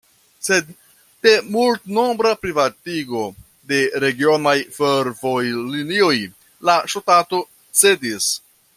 Sed de multnombra privatigo de regionaj fervojlinioj la ŝtato cedis.